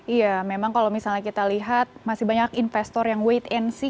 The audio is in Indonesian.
iya memang kalau misalnya kita lihat masih banyak investor yang wait and see